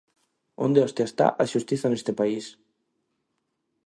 Onde hostia está a xustiza neste país?